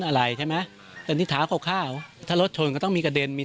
อะไรใช่ไหมแต่นี่เท้าคร่าวถ้ารถชนก็ต้องมีกระเด็นมี